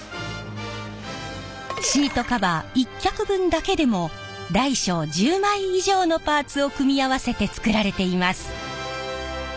シートカバー１脚分だけでも大小１０枚以上のパーツを組み合わせて作られています。